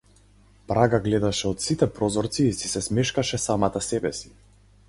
Прага гледаше од сите прозорци и си се смешкаше самата себеси.